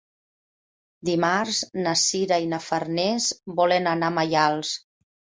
Dimarts na Sira i na Farners volen anar a Maials.